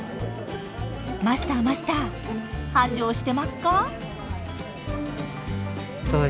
マスターマスター繁盛してまっか？